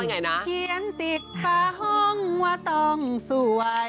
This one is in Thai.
อ้าวเคียนติดป่าห้องว่าต้องสวย